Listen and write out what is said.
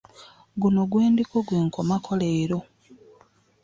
Guno gwe ndiko gwe nkomako leero.